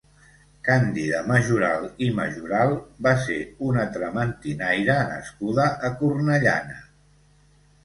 Càndida Majoral i Majoral va ser una trementinaire nascuda a Cornellana.